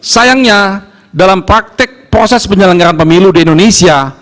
sayangnya dalam praktek proses penyelenggaraan pemilu di indonesia